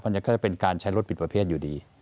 อันนี้ก็จะเป็นการใช้รถผิดประเภทอยู่ดี